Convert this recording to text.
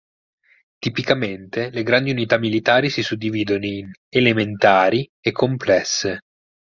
Tipicamente, le grandi unità militari si suddividono in "elementari" e "complesse".